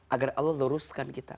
agar allah luruskan kita